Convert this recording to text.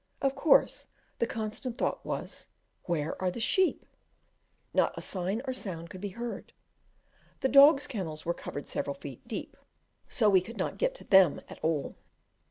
Of course, the constant thought was, "Where are the sheep?" Not a sign or sound could be heard. The dogs' kennels were covered several feet deep; so we could not get at them at all.